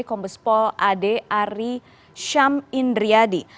kombespol ade ari syam indriyadi